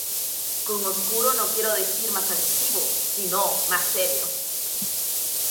Con oscuro, no quiero decir más agresivo, sino más serio.